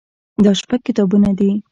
دا شپږ کتابونه دي.